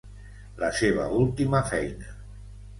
La seva última feina.